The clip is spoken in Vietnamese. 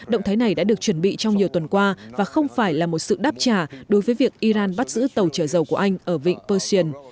động thái này đã được chuẩn bị trong nhiều tuần qua và không phải là một sự đáp trả đối với việc iran bắt giữ tàu trở dầu của anh ở vịnh perssion